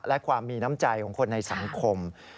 และความมีน้ำใจของคนในสังคม